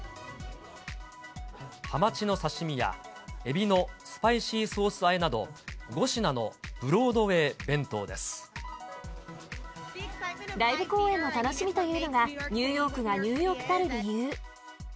ハマチの刺身やエビのスパイシーソース和えなど、ライブ公演の楽しみというのが、ニューヨークがニューヨークたる理由。